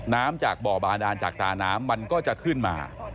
น้ำจากบ่อบาดานจากตาน้ำมันก็จะขึ้นมา